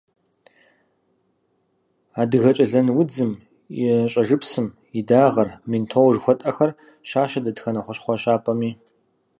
Адыгэкӏэлэн удзым и щӏэжыпсыр, и дагъэр, ментол жыхуэтӏэхэр щащэ дэтхэнэ хущхъуэ щапӏэми.